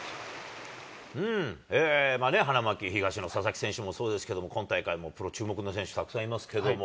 花巻東の佐々木選手もそうですけれども、今大会注目の選手、たくさんいますけども。